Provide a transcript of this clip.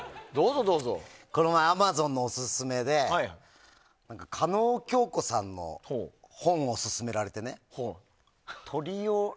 この前、アマゾンのオススメで叶恭子さんの本を勧められてね。